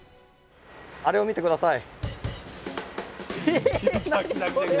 あれを見て下さい！